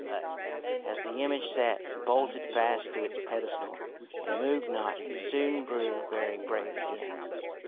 But, as the image sat bolted fast to its pedestal, and moved not, he soon grew very brave again.